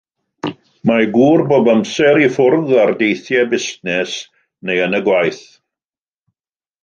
Mae ei gŵr bob amser i ffwrdd ar deithiau busnes neu yn y gwaith.